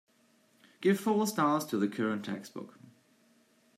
Give four stars to the current textbook